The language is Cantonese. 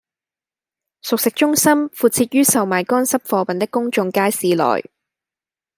熟食中心附設於售賣乾濕貨品的公眾街市內